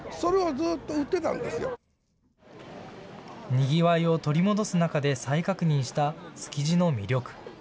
にぎわいを取り戻す中で再確認した築地の魅力。